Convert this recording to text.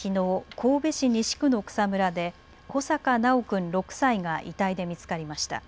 神戸市西区の草むらで穂坂修君６歳が遺体で見つかりました。